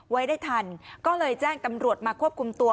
ไว้ได้ทันก็เลยแจ้งตำรวจมาควบคุมตัว